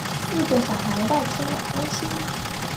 四個小孩外出買東西